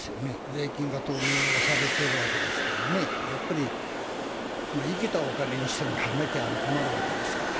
税金が投入をされているわけですからね、やっぱり生きたお金にしてもらわなきゃ困るわけですから。